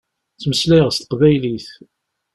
Ttmeslayeɣ s teqbaylit.